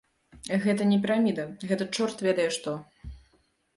Гэта не піраміда, гэта чорт ведае што.